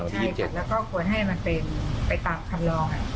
ใช่ค่ะแล้วก็ควรให้มันเป็นไปตามคำลอง